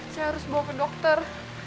saya harus bawa ke dokter